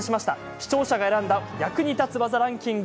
視聴者が選んだ役に立つ技ランキング